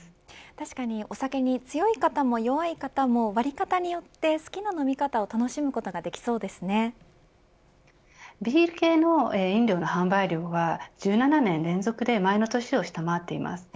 たしかにお酒に強い方も弱い方も割り方によって好きな飲み方を楽しむことがビール系の飲料の販売量は１７年連続で前の年を下回っています。